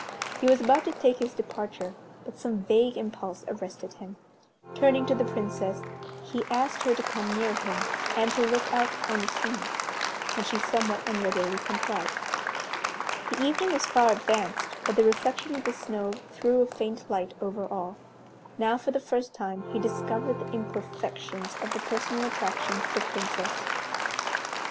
He was about to take his departure, but some vague impulse arrested him. Turning to the Princess, he asked her to come near him, and to look out on the scene, and she somewhat unreadily complied. The evening was far advanced, but the reflection of the snow threw a faint light over all. Now, for the first time, he discovered the imperfections of the personal attractions of the Princess.